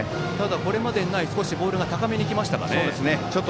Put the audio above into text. これまでにないボールが高めにきましたね。